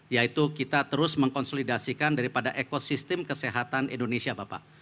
yaitu kita terus mengkonsolidasikan daripada ekosistem kesehatan indonesia bapak